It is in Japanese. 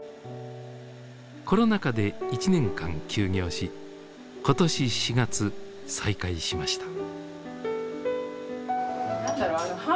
コロナ禍で１年間休業し今年４月再開しました。